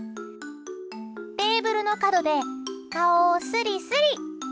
テーブルの角で顔をすりすり！